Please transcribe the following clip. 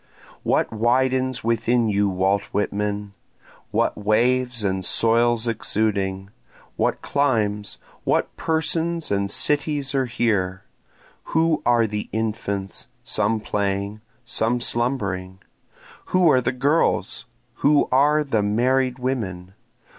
What widens within you Walt Whitman? What waves and soils exuding? What climes? what persons and cities are here? Who are the infants, some playing, some slumbering? Who are the girls? who are the married women?